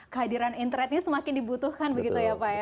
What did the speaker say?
kehadiran internetnya semakin dibutuhkan begitu ya pak ya